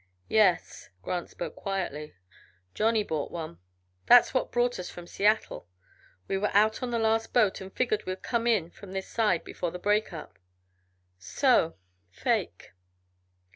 "Yes!" Grant spoke quietly. "Johnny bought one. That's what brought us from Seattle. We went out on the last boat and figured we'd come in from this side before the break up. So fake!"